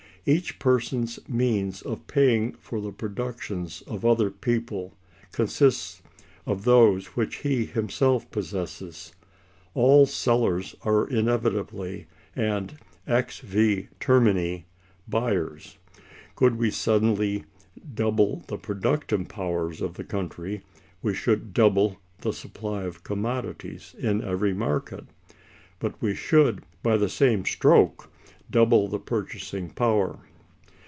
Each person's means of paying for the productions of other people consists of those which he himself possesses. All sellers are inevitably and ex vi termini buyers. Could we suddenly double the productive powers of the country, we should double the supply of commodities in every market; but we should, by the same stroke, double the purchasing power.